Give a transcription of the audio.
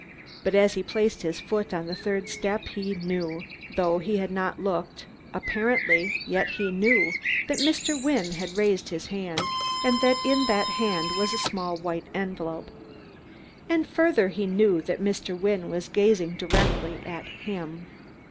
But as he placed his foot on the third step he knew though he had not looked, apparently, yet he knew that Mr. Wynne had raised his hand, and that in that hand was a small white envelope. And further, he knew that Mr. Wynne was gazing directly at him.